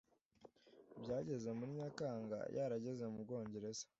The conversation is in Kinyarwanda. Byageze muri Nyakanga yarageze mu Bwongereza